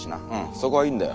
そこはいいんだよ。